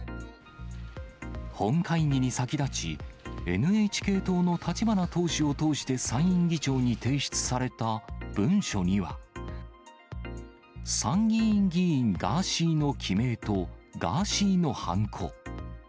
本会議に先立ち、ＮＨＫ党の立花党首を通して参院議長に提出された文書には。参議院議員ガーシーの記名と、ガーシーのはんこ。